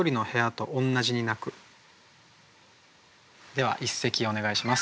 では一席お願いします。